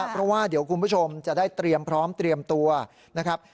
เพราะว่าเดี๋ยวคุณผู้ชมจะได้เตรียมพร้อมเตรียมตัวนะครับ